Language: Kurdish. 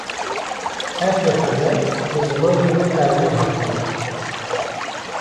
her pêyxember bi zimanê wê qewmê hatiye.